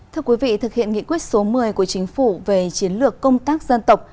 thưa quý vị thực hiện nghị quyết số một mươi của chính phủ về chiến lược công tác dân tộc